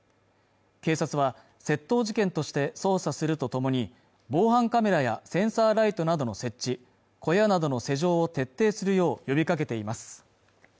警察は窃盗事件として捜査するとともに防犯カメラやセンサーライトなどの設置小屋などの施錠を徹底するよう呼びかけています